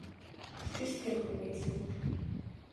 Гэтэл тэр охин нэг л өөр.